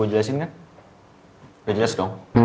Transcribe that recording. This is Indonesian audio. iya ya pak